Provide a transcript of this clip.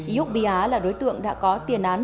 iuk bia là đối tượng đã có tiền án